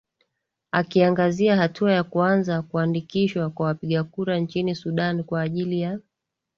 akiangazia hatua ya kuanza kuandikishwa kwa wapiga kura nchini sudan kwa ajili ya